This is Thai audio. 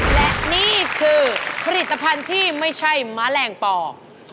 และนี่คือผลิตภัณฑ์ที่ไม่ใช่แมลงปอก